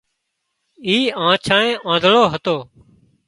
اي آنڇانئي آنڌۯو هتو